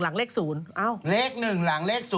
หลังเลข๐เลข๑หลังเลข๐